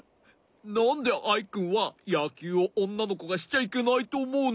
なんでアイくんはやきゅうをおんなのこがしちゃいけないとおもうの？